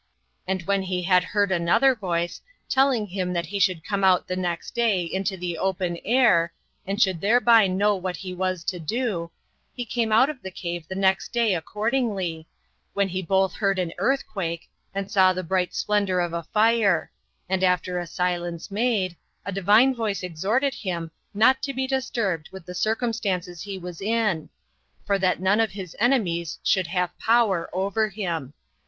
And when he had heard another voice, telling him that he should come out the next day into the open air, and should thereby know what he was to do, he came out of the cave the next day accordingly, When he both heard an earthquake, and saw the bright splendor of a fire; and after a silence made, a Divine voice exhorted him not to be disturbed with the circumstances he was in, for that none of his enemies should have power over him.